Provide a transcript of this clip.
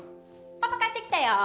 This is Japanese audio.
パパ帰ってきたよ。